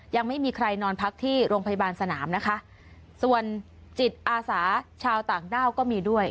ยังไม่มีใครนอนพักที่โรงพยาบาลสนามนะคะส่วนจิตอาสาชาวต่างด้าวก็มีด้วย